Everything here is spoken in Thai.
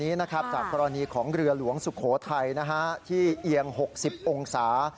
นี้นะครับจากกรณีของเรือหลวงสุโขทัยที่เอียง๖๐องศา